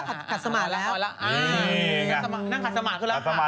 นั่งขัดสมาธิขึ้นแล้วค่ะ